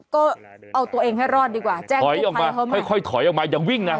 ก็เอาตัวเองให้รอดดีกว่าถอยออกมาค่อยค่อยถอยออกมาอย่าวิ่งน่ะ